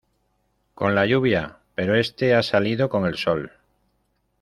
con la lluvia, pero este ha salido con el sol